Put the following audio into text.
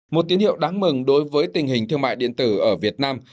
một tín hiệu đáng mừng đối với tình hình thương mại điện tử ở việt nam